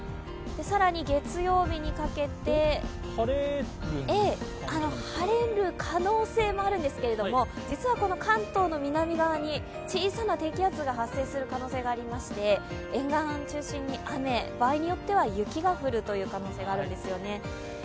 更に月曜日にかけて、晴れる可能性もあるんですけれども、実は関東の南側に小さな低気圧が発生する可能性がありまして沿岸を中心に雨、場合によっては雪が降る可能性があるんですよね。